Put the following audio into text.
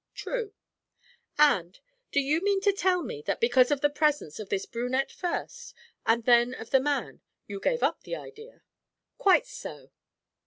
'True.' 'And do you mean to tell me that because of the presence of this brunette first, and then of the man, you gave up the idea?' 'Quite so.'